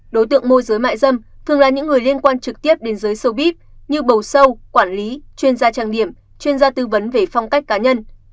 đối tượng môi giới mại dâm thường là những người liên quan trực tiếp đến giới sâu biep như bầu show quản lý chuyên gia trang điểm chuyên gia tư vấn về phong cách cá nhân